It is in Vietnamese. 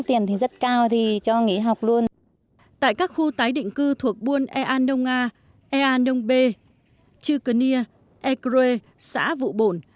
tại các khu tái định cư thuộc buôn ea nông a ea nông b chư cơ nia e crê xã vụ bổn